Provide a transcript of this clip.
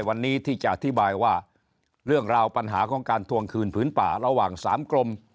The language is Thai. วันนี้ที่จะอธิบายว่าเรื่องราวปัญหาของการทวงคืนผืนป่าระหว่างสามกรม